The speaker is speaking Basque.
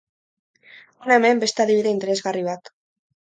Hona hemen beste adibide interesgarri bat!